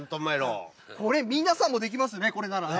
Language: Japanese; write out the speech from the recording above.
これ皆さんもできますね、これならね。